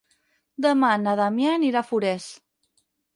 Demà na Damià anirà a Forès.